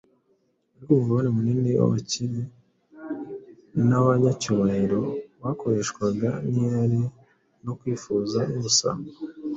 ariko umugabane munini w’abakire n’abanyacyubahiro bakoreshwaga n’irari no kwifuza n’ubusambo,